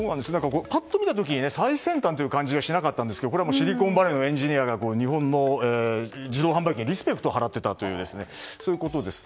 パッと見た時に最先端という感じはしなかったんですがシリコンバレーのエンジニアが日本の自動販売機にリスペクトを払っていたということです。